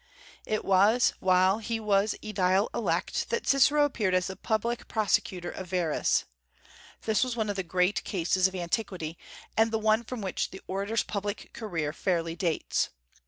It was while he was aedile elect that Cicero appeared as the public prosecutor of Verres. This was one of the great cases of antiquity, and the one from which the orator's public career fairly dates.